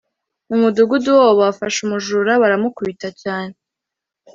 mu mudugudu wabo bafashe umujura baramukubita cyane